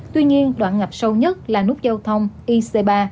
tuy nhiên đoạn ngập sâu nhất là nút giao thông ic ba